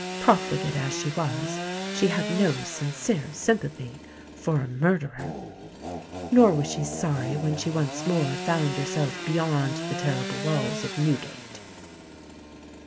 Profligate as she was, she had no sincere sympathy for a murderer. Nor was she sorry when she once more found herself beyond the terrible walls of Newgate.